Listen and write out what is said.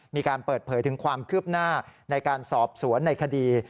มีการเปิดเผยถึงความคืบหน้าในการสอบสวนในคดี